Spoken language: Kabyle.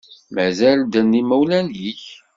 Mazal ddren yimawlen-ik?